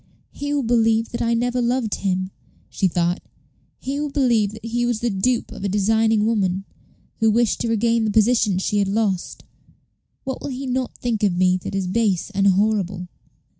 "He will believe that I never loved him," she thought. "He will believe that he was the dupe of a designing woman, who wished to regain the position she had lost. What will he not think of me that is base and horrible?"